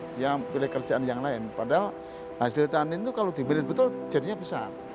dia pilih kerjaan yang lain padahal hasil tani itu kalau dibeli betul jadinya besar